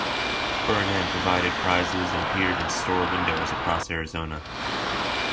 Burnham provided prizes and appeared in store windows across Arizona.